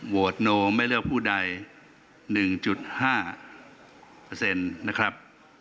โนไม่เลือกผู้ใด๑๕นะครับ